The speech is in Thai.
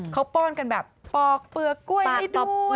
เขาป้อนกันแบบปอกเปลือกกล้วยใต้ดอกกล้วย